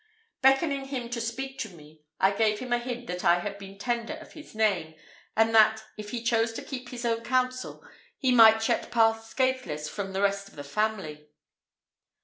Beckoning him to speak to me, I gave him a hint that I had been tender of his name, and that, if he chose to keep his own counsel, he might yet pass scathless from the rest of the family.